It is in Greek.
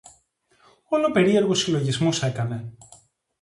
Όλο περίεργους συλλογισμούς έκανε.